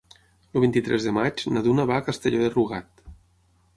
El vint-i-tres de maig na Duna va a Castelló de Rugat.